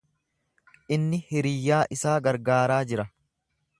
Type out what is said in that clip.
Inni hiriyyaa isaa gargaaraa jira.